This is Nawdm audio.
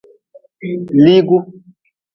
Liigu.